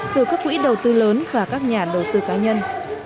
từ các quỹ đầu tư lớn và các nhà đầu tư cá nhân